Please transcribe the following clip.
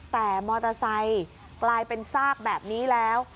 แต่มอเตอร์ไซค์กลายเป็นซากแบบนี้แล้ว